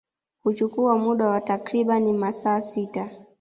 Huchukua muda wa takribani masaa sita